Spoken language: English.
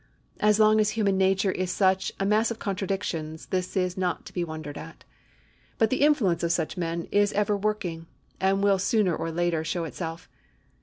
As long as human nature is such a mass of contradictions this is not to be wondered at. But the influence of such men is ever working, and will sooner or later show itself.